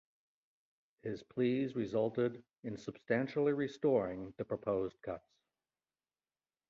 His pleas resulted in substantially restoring the proposed cuts.